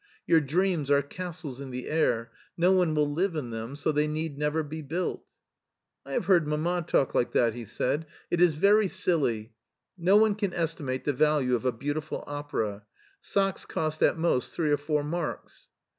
Your dreams are castles in the air; no one will live in them so they need never be built." " I have heard Mama talk like that," he said ;" it is very silly. No one can estimate the value of a beau tiful opera; socks cost at most three or four marks."